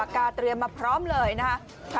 กาเตรียมมาพร้อมเลยนะคะ